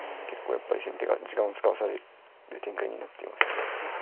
やっぱり先手が時間を使わされる展開になっていますね。